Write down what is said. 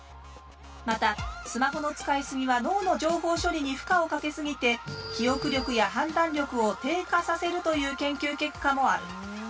またスマホの使い過ぎは脳の情報処理に負荷をかけ過ぎて記憶力や判断力を低下させるという研究結果もある。